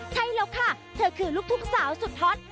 ใช่แล้วค่ะเธอคือลูกทุ่งสาวสุดฮอต